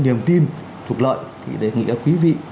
niềm tin trục lợi thì đề nghị quý vị